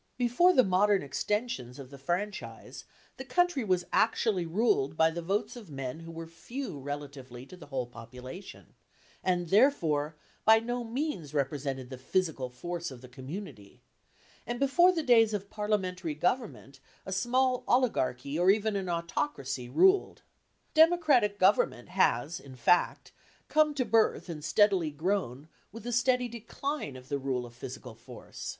Before the modern extensions of the franchise, the country was actually ruled by the votes of men who were few relatively to the whole population, and, therefore, by no means represented the physical force of the community, and before the days of parliamentary government a small oligarchy or even an autocracy ruled. Democratic government has, in fact, come to birth and steadily grown with the steady decline of the rule of physical force.